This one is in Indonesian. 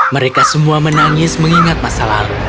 mereka semua menangis mengingat masa lalu